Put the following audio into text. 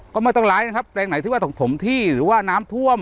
ก็ไม่ต้องร้ายนะครับแปลงไหนที่ว่าถกถมที่หรือว่าน้ำท่วม